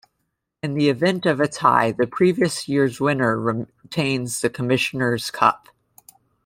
In the event of a tie, the previous year's winner retains the Commissioner's Cup.